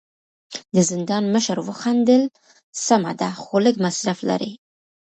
د زندان مشر وخندل: سمه ده، خو لږ مصرف لري.